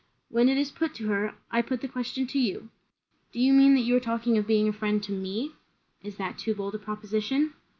"When it is put to her. I put the question to you." "Do you mean, that you are talking of being a friend to me?" "Is that too bold a proposition?"